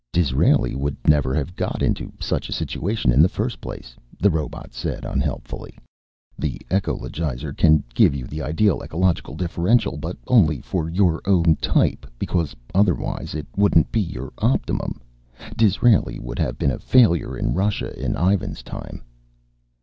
"Disraeli would never have got into such a situation in the first place," the robot said unhelpfully. "The ecologizer can give you the ideal ecological differential, but only for your own type, because otherwise it wouldn't be your optimum. Disraeli would have been a failure in Russia in Ivan's time."